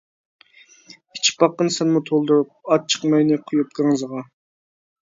ئىچىپ باققىن سەنمۇ تولدۇرۇپ، ئاچچىق مەينى قۇيۇپ گاڭزىغا.